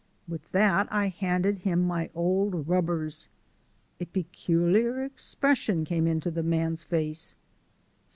With that I handed him my old rubbers. A peculiar expression came into the man's face.